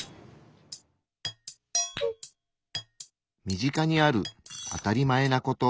身近にある「あたりまえ」なこと。